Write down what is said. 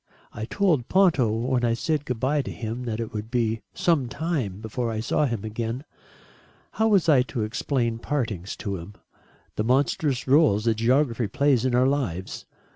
I told Ponto when I said good bye to him that it would be some time before I saw him again. How was I to explain partings to him? The monstrous rôle that geography plays in our lives?